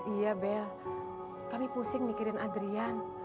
iya bel kami pusing mikirin adrian